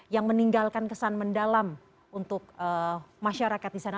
yang meninggalkan kesan mendalam untuk masyarakat di sana